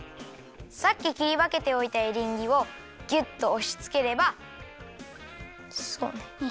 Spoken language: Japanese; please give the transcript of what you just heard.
さっききりわけておいたエリンギをギュッとおしつければ。